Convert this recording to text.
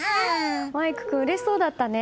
麻夷琥君うれしそうだったね。